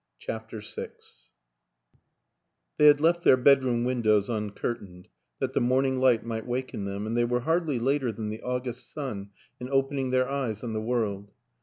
CHAPTER VI THEY had left their bedroom windows uncurtained, that the morning light might waken them, and they were hardly later than the August sun in opening their eyes on the world.